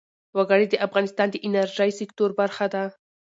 وګړي د افغانستان د انرژۍ سکتور برخه ده.